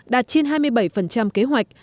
đạt trên hai mươi bảy kế hoạch